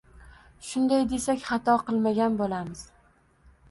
Shunday desak hato qilmagan bo‘lamiz.